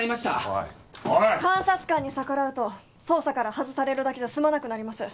おいおいっ監察官に逆らうと捜査から外されるだけじゃ済まなくなります